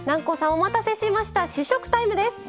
お待たせしました試食タイムです。